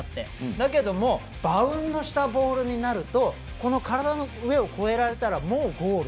だけれどもバウンドしたボールになるとこの体の上を越えられたらもうゴールじゃないですか。